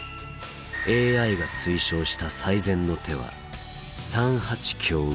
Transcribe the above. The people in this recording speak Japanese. ＡＩが推奨した最善の手は３八香打。